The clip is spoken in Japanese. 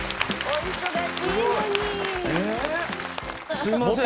すいません。